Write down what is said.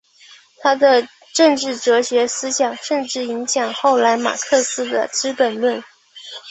他的政治哲学思想甚至影响后来马克思的资本论。